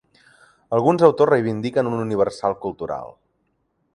Alguns autors reivindiquen un universal cultural.